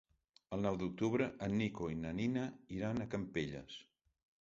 El nou d'octubre en Nico i na Nina iran a Campelles.